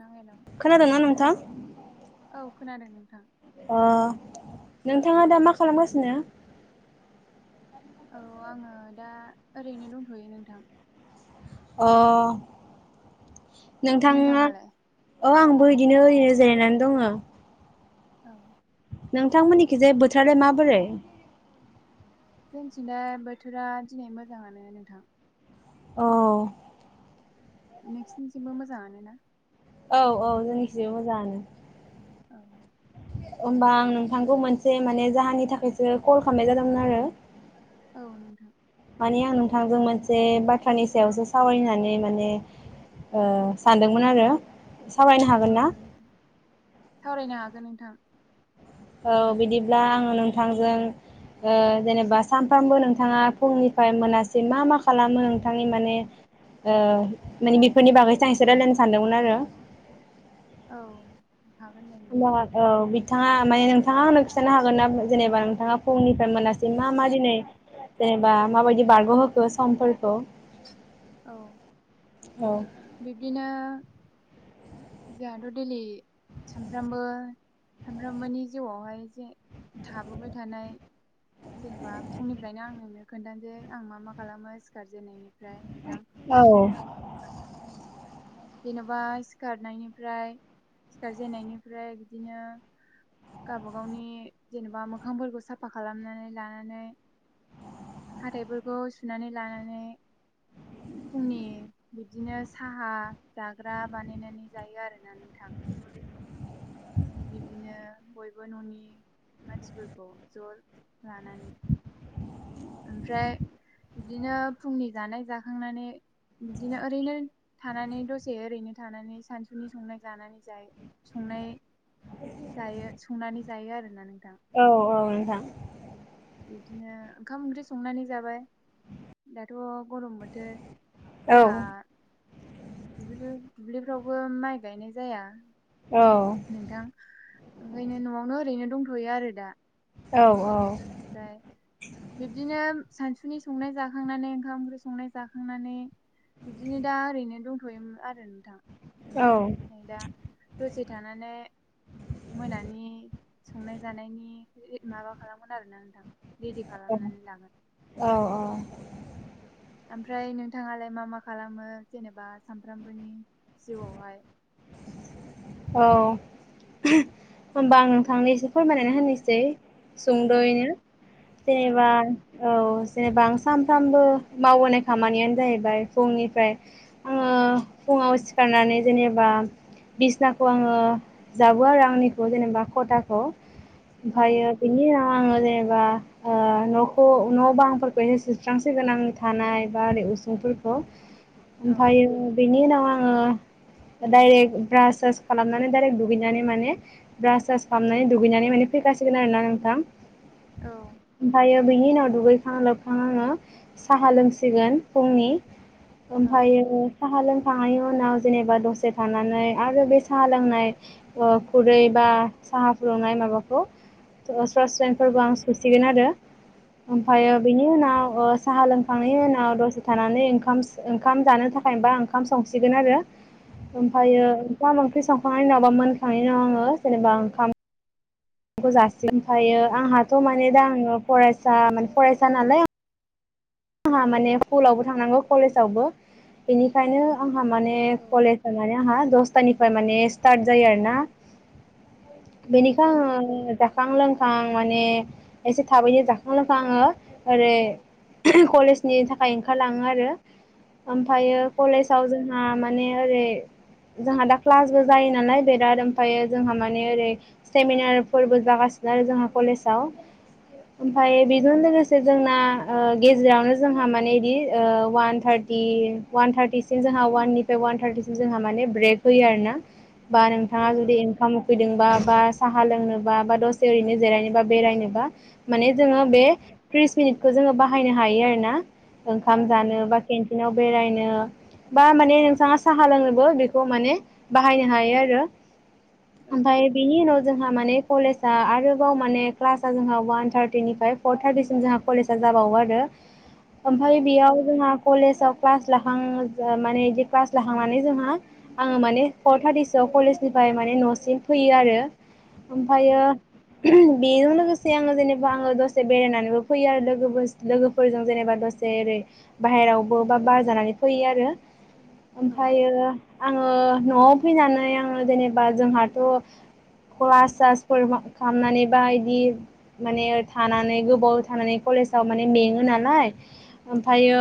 नोंथां हेलौ खोनादों ना नोंथां औ खोनादों नोंथां अ नोंथाङा दा मा खालामगासिनो औ आङो दा ओरैनो दंथ'यो नोंथां। अ नोंथाङा नोंथाङालाय अ आंबो बिदिनो ओरैनो जिरायनानै दङ। औ। नोंथांमोननिखि जे बोथोराय माबोरै जोंथिनाय बोथोरा दिनै मोजाङानो नोंथां। औ। नोंसिनिसिमबो मोजाङानोना? औ औ जोंनिखिबो मोजाङानो औ होमबा आं नोंथांखौ मोनसे माने जाहोननि थाखायसो कल खालामनाय जादोंमोन आरो औ नोंथां। माने आं नोंथांजों मोनसे बाथ्रानि सायावसो सावरायनो होननानै माने ओ सानदोंमोन आरो सावरायनो हागोन औ ना नोंथां सावरायनो हागोन नोंथां। औ बिदिब्ला आङो नोंथांजों ओ जेनेबा सानफ्रामबो नोंथाङा फुंनिफ्राय मोनासै मा मा खालामो नोंथांनि माने ओ बेफोरनि बागैसो आं एसे रायलायनो सानदोंमोन आरो। औ। हागोन दे होम नोंथां बा अ बिद थाङा माने नोंथाङा आंनो खिन्थानो हागोन ना जेनेबा नोंथाङा फुंनिफ्राय मोनासिम मा मा दिनै जेनेबा माबायदि बारग'होखो सानफोरखौ औ बिब्दिनो जोंहाथ' दैलि सानफ्रामबो सामफ्रामबोनि जिउआवहाय जे थाबोबाय थानाय जेनेबा फुंनिफ्रायनो आं नोंनो खोन्थानोसै जे आं मा मा खालामो सिखारजेननायनि फ्राय नोंथां औ जेन'बा सिखारनायनिफ्राय सिखारजेननायनिफ्राय बिदिनो गावबा गावनि जेनेबा मोखांफोरखौ साफा खालामनानै लानानै हाथाइफोरखौ सुनानै लानानै फुंनि बिबदिनो साहा जाग्रा बानायनानै जायो आरोना नोंथां बिदिनो बयबो न'नि मानसिफोरखौ ज' लानानै ओमफ्राय बिदिनो फुंनि जानाय जाखांनानै बिदिनो ओरैनो थानानै दसे ओरैनो थानानै सानसुनि संनाय जानानै जाय सं नाय जायो संनानै जायो आरोना नों औ औ नोंथां बिदिनो ओंखाम ओंख्रि संनानै जाबाय दाथ' गरम बोथोर औ जोंहा दुब्लि दुब्लिफ्रावबो माइ गायनाय जाया औ नोंथां ओंखायनो न'आवनो ओरैनो दंथ'यो आरो दा औ ओमफ्राय बिब्दिनो सानसुनि संनाय जाखांनानै ओंखाम ओंख्रि संनाय जाखांनानै बिदिनो दा ओरैनो दंथ'योमोन आरो नोंथां औ ओमफ्राय नै दा दसे फ्राय मोनानि संनाय जानायनि माबा खालामगोन आरोना नोंथां। रेडि खालामनानै लागोन औ औ औ ओमफ्राय नोंथाङालाय मा मा खालामो जेनेबा सामफ्रामबोनि जिउआवहाय [unintelligible] औ होनोमबा आं नोंथांनो एसे फोरमायनानै होनोसै औ सुंद'यैनो औ जेनेबा औ जेनेबा आं सानफ्रामबो मावबोनाय खामानियानो जाहैबाय फुंनिफ्राय आङो। फुङाव सिखारनानै जेनेबा बिसना खौ आङो जाबो आरो आंनिखौ जेनेबा खथाखौ औ ओमफ्रायो बिनि आं आङो जेनेबा अ न'खौ न' बांफोरखौ एसे सुस्रांसिगोन आंनि थानाय बा रै उसुंफोरखौ औ ओमफ्रायो बेनि उनाव आङो डायरेक्ट ब्रास सास खालामनानै डाइरेक्ट दुगैनानै माने ब्रास सास खालामनानै दुगैनानै माने फैखासिगोन आरोना नोंथां। औ ओमफ्रायो बिनि उनाव दुगैखां लोबखां आङो साहा लोंसिगोन फुंनि औ ओमफ्रायो साहा लोंखांनायनि उनाव जेनेबा दसे थानानै आरो बेसे साहा लोंनाय खुरै बा साहा फुदुंनाय माबाखौ ओ सासपिन फोरखौ आं सुसिगोन आरो ओमफ्रायो बिनि उनाव ओ साहा लोंखांनायनि उनाव दसे थानानै ओंखाम ओंखाम जानो थाखायबा ओंखाम संसिगोन आरो। औ ओमफ्रायो गामोन बेनि उनावबा मोनखांनायनि उनाव आङो जेनेबा ओंखाम बेखौ जासिगोन उमफ्रायो आंहाथ' माने दा आङो फरायसा माने फरायसा नालाय आंहा माने स्कुलावबो थांनांगौ कलेजावबो बेनिखायनो आं आंहा माने औ कलेज माने आंहा दसथानि माने स्टार्ट जायो आरोना औ बेनिखाय आङो जाखां लोंखां माने एसे थाबैनो जाखां लोंखां आङो ओरै कलेजनि थाखाय ओंखारलाङो आरो ओमफ्रायो औ कलेजाव जोंहा माने ओरै जोंहा दा क्लासबो जायो नालाय बिराद ओमफ्राय जोंहा माने ओरै सेमिनार फोरबो जागासिनो दायो जोंहा कलेजाव ओमफ्राय बेजों लोगोसे जोंना ओ गेजेरावनो जोंहा माने बिदि ओ अवान थारटि अवान थारटिसिम जोंहा अवाननिफ्राय अवान थारथि जों माने ब्रेक होयो आरोना बा औ नोंथाङा जुदि ओंखाम उखैदोंबा बा साहा लोंनोबा बा दसे ओरैनो जिरायनोबा बेरायनोबा माने जोङो बे औ त्रिस मिनिटखौ जोङो बाहायनो हायो आरोना ओंखाम जानो बा औ केन्टिनाव बेरायनो बा माने नोंथाङा साहा लोंनोबो बेखौ माने बाहायनो हायो आरो ओमफ्राय बेनि उनाव जोंहा माने कलेजा आरोबाव माने क्लास आ जोंहा अवान थार्टिनिफ्राय फर थार्टिसिम जोंहा कलेजा जाबावो आरो यो औ ओमफ्राय बेयाव जोंहा कलेजाव क्लास लाखां माने बिदि क्लास लाखांनानै जोंहा आङो माने फर थारटि सोयाव कलेजनिफ्राय माने न'सिम फैयो आरो औ ओमफ्रायो बेजों लोगोसे आङो जेनेबा आङो दसे बेरायनानैबो फैयो आरो लोगोफोर लोगोफोरजों जेनेबा दसे ओरै बाहेरावबो बा बार जानानै फैयो आरो ओमफ्रायो आङो न'आव फैनानै आङो जेनेबा जोंहाथ' क्लास सासफोर खालामनानै बा इदि माने थानानै गोबाव थानानै कलेजाव माने मेङो नालाय ओमफ्रायो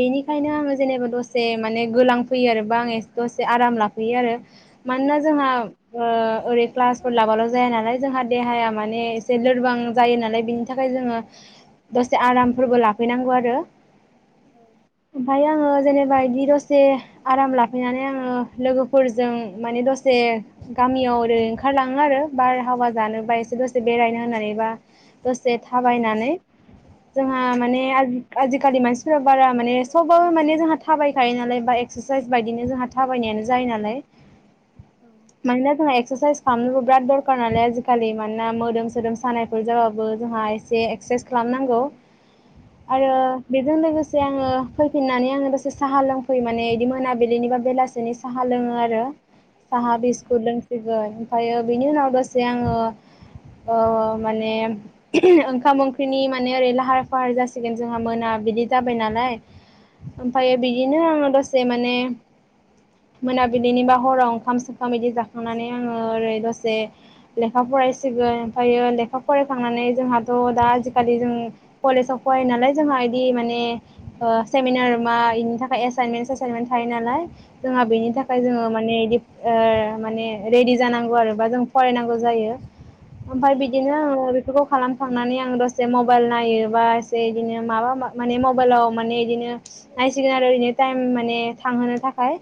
बेनि ओंखायनो आङो जेनेबा दसे माने गोलां फैयो आरो बा आं ए दसे आराम लाफैयो आरो मानोना औ जोंहा ओ ओरै क्लासफोर लाबाल' जाया नालाय जोंहा देहाया माने एसे लोरबां जायो नालाय बिनि थाखाय जोङो दसे आरामफोरबो लाफैनांगौ आरो औ ओमफ्राय आङो जेनेबा बा इदि दसे आराम लाफैनानै आङो लोगोफोरजों माने दसे गामियाव याव ओरै ओंखारलाङो आरो बारहावा जोनो बा एसे दसे बेरायनो होननानैबा दसे थाबायनानै जोंहा माने आजि आजिखालि मानसिफोरा बारा माने सबाबो माने जोंहा थाबायखायो नालाय बा एक्सारसाइस बायदिनो जोंहा थाबायनायानो जायो नालाय लाय मानोना जोंहा एक्सारसाइस खालामनोबो बिराद दरखार नालाय आजिखालि मानोना मोदोम सोदोम सानायफोर जाबाबो जोंहा एसे एक सारसाइस खालामनांगौ आरो बेजों लोगोसे आं आङो फैफिननानै आङो दसे साहा लोंफैयो माने बिदि मोनाबिलिनि बा बेलासेनि साहा लोङो आरो साहा बिस्कुइत लोंसिगोन ओमफ्रायो बेनि उनाव दसे आङो ओ माने ओंखाम ओंख्रि बेनि माने ओरै लाहार फाहार जासिगोन जोंहा मोनाबिलि जाबाय नालाय ओमफाय बिदिनो आङो दसे माने [inaudible] मोनाबिलिनि बा हराव ओंखाम सोखाम बिदि जाखांनानै आङो ओरै दसे लेखा फरायसिगोन ओमफायो लेखा फरायखांनानै जोंहाथ दा खालि जों कलेजाव फरायो नालाय जोंहा इदि माने ओ सेमिनार मा बेनि थाखाय एस एसाइनमेन्ट ससाइनमेन्ट थायो नालाय जोंहा बेनि थाखाय जोङो माने बि ओ माने रेडि जानांगौ आरो बा जों फरायनांगौ जायो ओमफाय बिदिनो आङो बेफोरखौ खालामखांनानै आं दस से मबाइल नायो बा एसे बिदिनो माबा माने मबाइलाव माने इदिनो नायसिगोन आरो टाइम माने थांहोनो थाखाय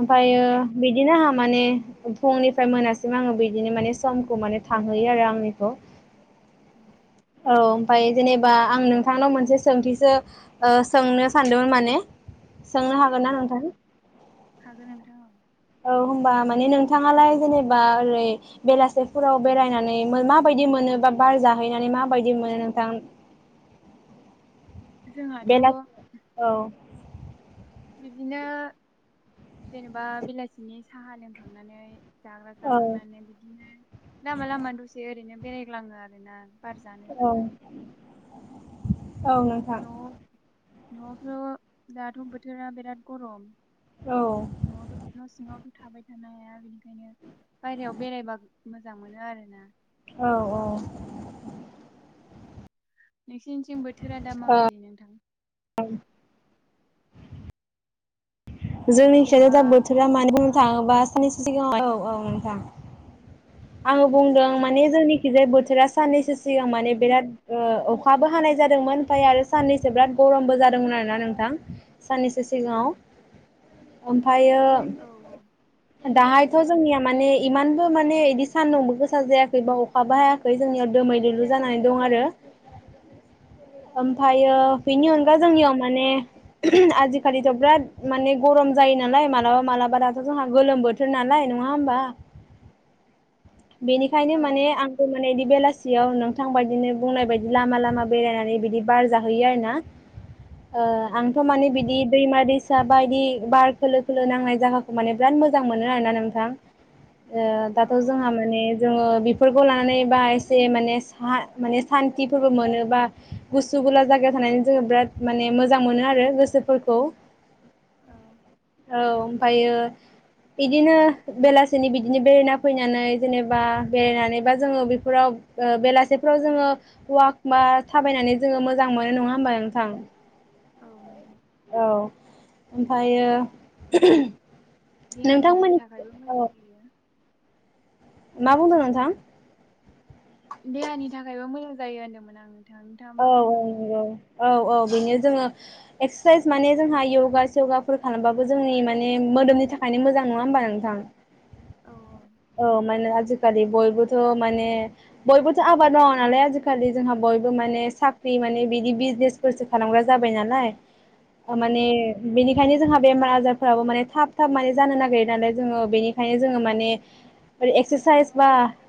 ओमफायो नोंथां बिदिनो आंहा माने फुंनिफ्राय मोनासिम आङो बिदिनो माने समखौ माने थांहोयो आरो आंनिखौ [inaudible] औ ओमफाय जेनेबा आं नोंथांनाव मोनसे सोंथिसो ओ सोंनो सानदोंमोन माने। सोंनो हागोनना नोंथां? हागोन नोंथां औ औ होनबा माने नोंथाङालाय जेनेबा ओरै बेलासिफोराव बेरायनानै मोना बाय दि मोनो बा बार जाहैनानै मा बायदि मोनो नोंथां? [inaudible] जोंहाथ' बेलासि औ बिदिनो जेनेबा बेलासिनि साहा लोंखांनानै जाग्रा औ जाखांनानै बिदिनो लामा लामा दसे ओरैनो बेरायग्लाङो आरोना। बार जानो औ थाखाय‌। औ नोंथां। नआवथ दाथ बोथोरा बिराद गरम। औ न सिङाव थाबाय थानो हाया बेनिखायनो बायहेरायाव बेरायबा मोजां मोनो आरो ना। औ औ नोंसिनिथिं बोथोरा दा माबायदि नोंथां? औ जोंनि थिंजाय जेनेबा दा बोथोरा माने अखा बुंनो थाङोबा स्निसो सिगाङाव औ औ नोंथां। आङो बुंदों औ माने जोंनिखिजाय बोथोरा साननैसो सिगां औ माने बिराद ओ खाबो हानाय जादोंमोन ओमफाय आरो साननैसो बिराद गरमबो जादोंमोन आरोना नोंथां साननैसो सिगाङाव। उम ओमफाय औ ओ औ दाहायथ जोंनिया माने इमानबो माने इदि सान्दुंबो गोसा जायाखै बा अखाबो हायाखै जोंनियाव दोमैलु लु जानानै दं आरो। ओमफायो बेनि औ अनगा जोंनियाव माने आजिखालिथ बिराद माने गरम जायो नालाय मालाबा मालाबा दाथ जोंहा गोलोम बोथोर ना लाय नङा होमबा? [inaudible] बेनिखायनो औ माने आंखौ माने बि बेलासियाव नोंथां बायदिनो बुंनाय बायदि लामा लामा बेरायनानै बिदि बार जाहैयो आरो ना। ओ आंथ औ मानि बिदि दैमा दैस फसा बायदि बार खोलो खोलो नांनाय जागाखौ माने बिराद मोजां मोनो आरोना नोंथां। औ औ ने जोङो बेफोरखौ लानानै बा एसे माने सा माने सान्थिफोरबो मोनोबा गुसु गुला जायगाखौ नायनो जोङो बिराद माने मोजां मोनो आरो गोसोफोरखौ। [inaudible] औ ओमफाय ओ बेदिनो बेलासिनि बिदिनो बेरायना फैनानै जेनेबा बेरायनानै बा जोङो बेफोराव ओ बेलासेफ्राव जोङो वाक मा थां थाबायनानै जोङो मोजां मोनो नङा होमबा नोंथां। औ बुं दे औ ओमफायो देहानि थाखायबो मोजां औ जायो। मा बुंदों नोंथां? देहानि थाखायबो मोजां जायो होनदोंमोन आङो। औ औ औ औ औ बेनो जोङो एक्सारसाइस माने जोंहा यगा सगाफोर खालामबाबो जोंनि माने दोमनि थाखायनो मोजां नङा होमबा नोंथां। औ औ औ माने आजिखालि बयबोथ' माने बयबोथ' आबाद मावा नालाय आजिखालि जोंहा बयबो माने साख्रि माने बिदि बिजनेसफोरसो खालामग्रा जाबाय नालाय। औ माने बेनि खायनो जोंहा बेमार आजारफोराबो माने थाब थाब माने जानो नागिरो नालाय जोङो बेनिखायनो जोङो माने एक्सारसाइस बा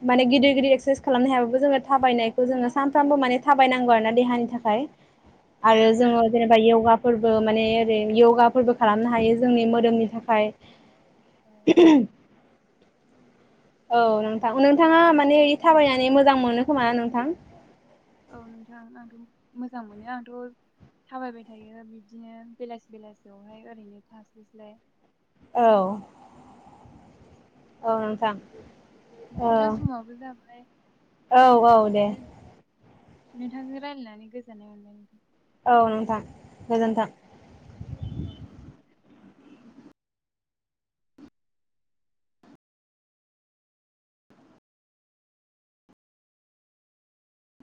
माने गिदिर गिदिर एक्सारसाइस खालामनो हायाबो जोङो थाबायनायखौ जोङो सानफ्रामबो माने थाबायनांगौ आरोना देहा थाखाय। औ आरो जोङो नोंथां औ जेनेबा योगाफोरबो माने यगाफोरबो खालामनो हायो जोंनि मोदोमनि थाखाय। औ [inaudible] औ नोंथां। नोंथाङा माने थाबायनानै मोजां मोनो खोमा नोंथां? औ नोंथां आंथ' मोजां मोनो आंथ' थाबायबाय थायो बिब्दिनो बेलासि बेलासियावहाय ओरैनो थास्लायस्लाय। औ। औ नोंथां। औ नोंथां समाबो जाबाय औ औ दे दोन नोंथांजों रायज्लायनानै गोजोननाय मोनबाय नोंथां। औ नोंथां गोजोन्थों। औ दे